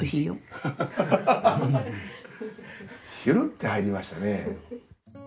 ヒュルって入りましたね。